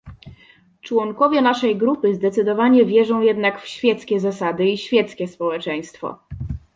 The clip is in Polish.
Członkowie naszej grupy zdecydowanie wierzą jednak w świeckie zasady i świeckie społeczeństwo